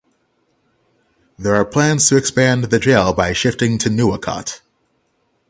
There are plans to expand the jail by shifting to Nuwakot.